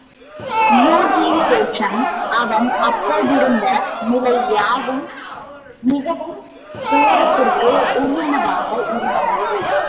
யூகியின் தோற்றம், அவன் அப்போதிருந்த நிலை யாவும் மிகவும் துயரத்திற்கு உரியனவாக இருந்தன.